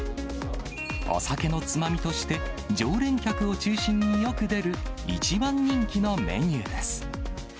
お酒のつまみとして常連客を中心によく出る、一番人気のメニューです。